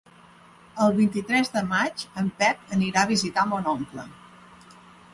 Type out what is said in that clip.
El vint-i-tres de maig en Pep anirà a visitar mon oncle.